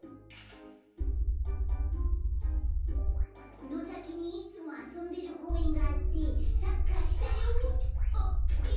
このさきにいつもあそんでるこうえんがあってサッカーしたりおっと！え！？